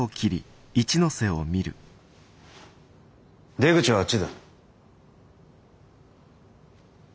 出口はあっちだ。